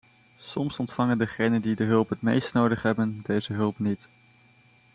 Soms ontvangen degenen die de hulp het meest nodig hebben, deze hulp niet.